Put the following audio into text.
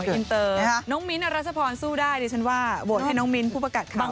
อินเตอร์น้องมิ้นทรัชพรสู้ได้ดิฉันว่าโหวตให้น้องมิ้นผู้ประกาศข่าว